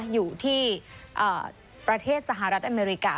อยู่ที่ประเทศสหรัฐอเมริกา